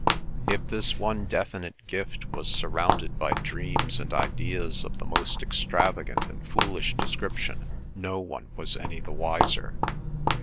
If this one definite gift was surrounded by dreams and ideas of the most extravagant and foolish description, no one was any the wiser.